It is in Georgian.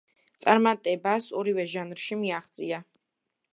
წარმატებას ორივე ჟანრში მიაღწია.